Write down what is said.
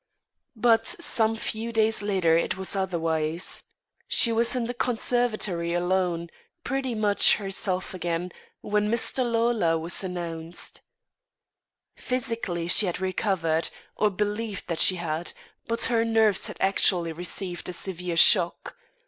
But some few days later it was otherwise. She was in the conservatory alone, pretty much herself again, when Mr. Lawlor was announced. Physically she had recovered, or believed that she had, but her nerves had actually received a severe shock.